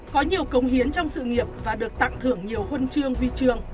có nhiều công hiến trong sự nghiệp và được tặng thưởng nhiều huân trương huy trương